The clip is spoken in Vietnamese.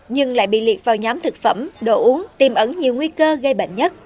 nhưng lại bị liệt vào nhóm thực phẩm đồ uống tìm ẩn nhiều nguy cơ gây bệnh nhất